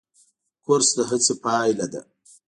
کورس د هڅې پایله ده.